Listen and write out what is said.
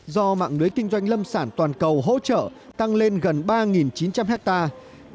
do mạng lưới kinh doanh lâm sản toàn cầu hỗ trợ tăng lên gần ba chín trăm linh hectare